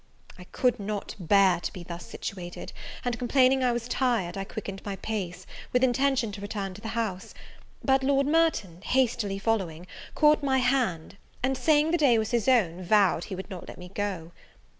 I could not bear to be thus situated; and complaining I was tired, I quickened my pace, with intention to return to the house; but Lord Merton, hastily following, caught my hand, and saying the day was his own, vowed he would not let me go.